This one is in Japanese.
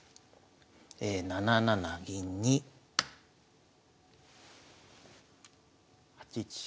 ７七銀に８一飛車。